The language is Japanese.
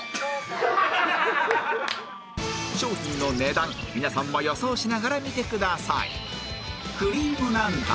商品の値段皆さんも予想しながら見てください